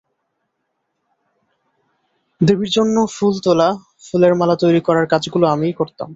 দেবীর জন্য ফুল তোলা, ফুলের মালা তৈরি করার কাজগুলো আমিই করতাম।